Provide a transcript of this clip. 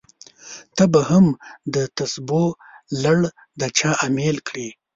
ته به هم دتسبو لړ د چا امېل کړې!